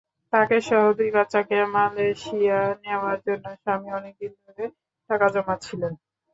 তাঁকেসহ দুই বাচ্চাকে মালয়েশিয়া নেওয়ার জন্য স্বামী অনেক দিন ধরে টাকা জমাচ্ছিলেন।